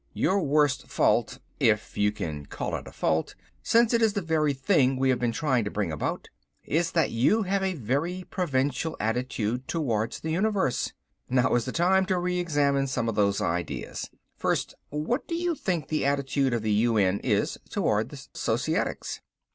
Your worst fault if you can call it a fault, since it is the very thing we have been trying to bring about is that you have a very provincial attitude towards the universe. Now is the time to re examine some of those ideas. Firstly, what do you think the attitude of the UN is towards Societics?"